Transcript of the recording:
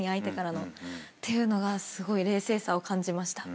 っていうのがすごい冷静さを感じました。